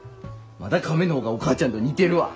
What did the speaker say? まだカメの方がお母ちゃんと似てるわ。